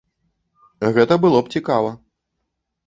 Гэта было б цікава.